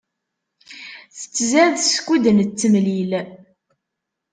Tettzad skud nettemlil.